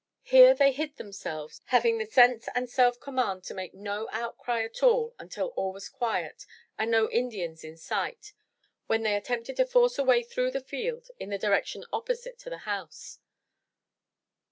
Here they hid themselves, having the sense and self command to make no outcry at all imtil all was quiet and no Indians in sight, when they attempted to force a way through the field in a direction opposite to the house.